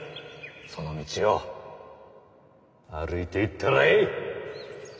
その道を歩いていったらえい！